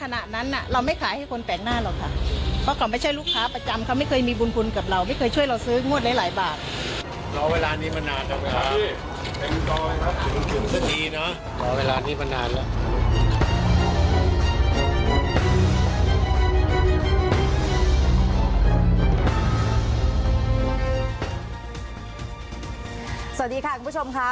อยู่ในมือพ่อแล้วดีมันต้องอยู่ในมือพ่อ